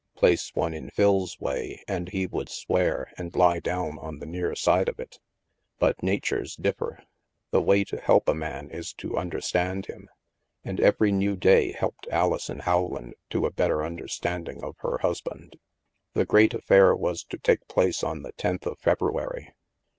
Place one in Phil's way, and he would swear, and lie down on the near side of it But natures differ. The way to help a man is to understand him. And every new day helped Ali son Howland to a better imderstanding of her hus band. The great affair was to take place on the tenth of February.